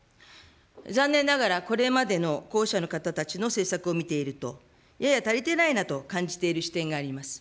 残念ながら、これまでの候補者の方たちの政策を見ていると、やや足りてないなと感じている視点があります。